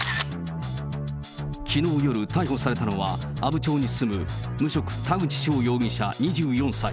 きのう夜、逮捕されたのは阿武町に住む無職、田口翔容疑者２４歳。